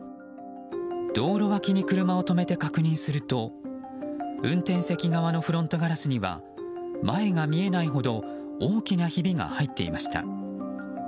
道路脇に車を止めて確認すると運転席側のフロントガラスには前が見えないほど大きなひびが入っていました。